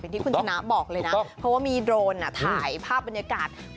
ที่คุณชนะบอกเลยนะเพราะว่ามีโดรนถ่ายภาพบรรยากาศ